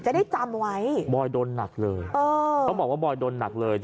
จะได้จำไว้บอยโดนหนักเลยเขาบอกว่าบอยโดนหนักเลย